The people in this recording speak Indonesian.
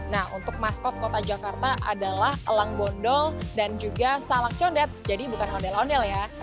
nah untuk maskot kota jakarta adalah elang bondol dan juga salak condet jadi bukan ondel ondel ya